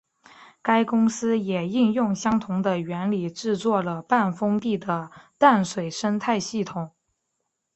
该公司也应用相同的原理制作了半封闭的淡水生态系统。